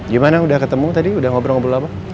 gimana udah ketemu tadi udah ngobrol ngobrol apa